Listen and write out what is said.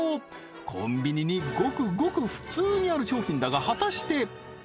コンビニにごくごく普通にある商品だが果たして？